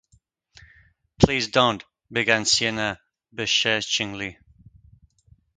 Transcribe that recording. "Please, don't, —" began Sienna, beseechingly.